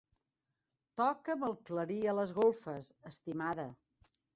Toca'm el clarí a les golfes, estimada.